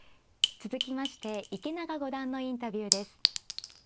続きまして池永五段のインタビューです。